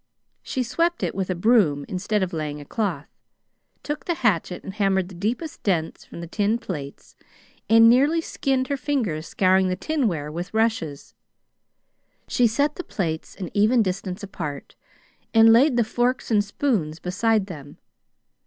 She swept it with a broom, instead of laying a cloth; took the hatchet and hammered the deepest dents from the tin plates, and nearly skinned her fingers scouring the tinware with rushes. She set the plates an even distance apart, and laid the forks and spoons beside them.